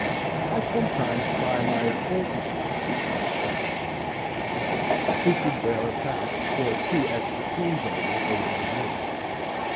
I sometimes try my acquaintances by such tests as this;—who could wear a patch, or two extra seams only, over the knee?